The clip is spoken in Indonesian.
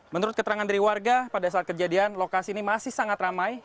menurut keterangan dari warga pada saat kejadian lokasi ini masih sangat ramai